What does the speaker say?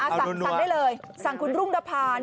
เอานั่วนะครับสั่งได้เลยสั่งคุณรุ่งดภารณ์